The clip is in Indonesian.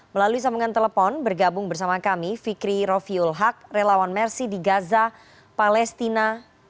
melalui sambungan telepon bergabung bersama kami fikri rofiul haq relawan mersi di gaza palestina